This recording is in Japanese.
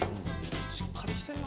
しっかりしてんな。